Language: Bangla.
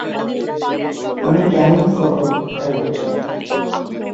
আমি কেমন ফটোগ্রাফার চাই?